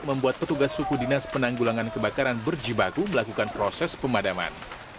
membuat petugas suku dinas penanggulangan kebakaran berjibaku melakukan proses pemadaman